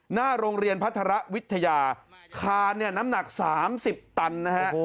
หน้าโรงเรียนพัฒระวิทยาคานเนี่ยน้ำหนัก๓๐ตันนะฮะ